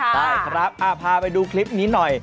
ใช่ครับพาไปดูคลิปนี้หน่อย